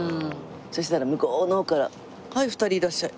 そしたら向こうの方から「はい２人いらっしゃい」。